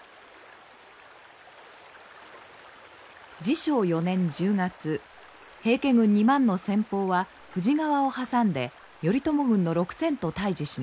治承４年１０月平家軍２万の先ぽうは富士川を挟んで頼朝軍の６，０００と対じしました。